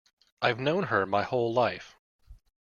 I've known her my whole life.